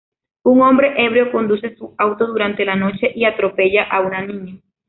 Un hombre ebrio conduce su auto durante la noche y atropella a una niña.